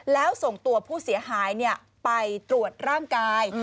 แล้วส่งตัวผู้เสียหายไปตรวจร่างกาย